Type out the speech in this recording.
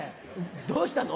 どうしたの？